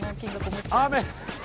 雨。